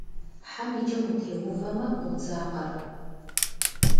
Хьэм и кӏэм утеувэмэ, къодзакъэр.